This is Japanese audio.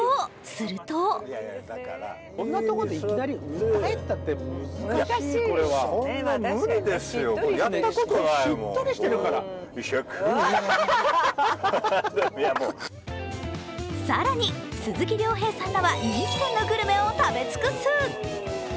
すると更に、鈴木亮平さんらは人気店のグルメを食べ尽くす！